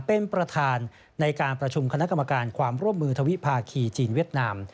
เป็นประธานในการประชุมคณะกรรมการความร่วมมือธวิภาคีจีนเวียดนาม